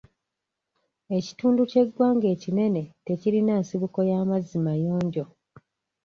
Ekitundu ky'eggwanga ekinene tekirina nsibuko y'amazzi mayonjo.